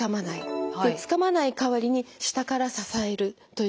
でつかまない代わりに下から支えるということ。